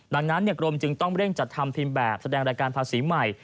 ดังนั้นกรมจึงต้องเร่งจัดทำพิมพ์แบบแสดงรายการภาษีใหม่